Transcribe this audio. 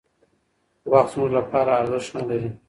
وخت زموږ لپاره ارزښت نهلري.